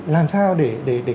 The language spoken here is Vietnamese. làm sao để